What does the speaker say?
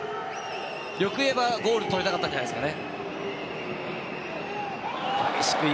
欲を言えばゴールを取りたかったんじゃないですか。